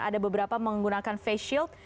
ada beberapa menggunakan face shield